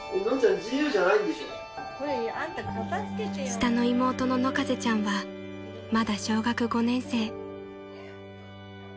［下の妹の野風ちゃんはまだ小学５年生］